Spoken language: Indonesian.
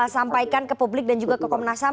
sampaikan ke publik dan juga ke komnas ham